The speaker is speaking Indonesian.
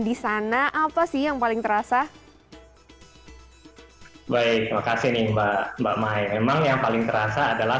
disana apa sih yang paling terasa baik terima kasih mbak mbak mai memang yang paling terasa adalah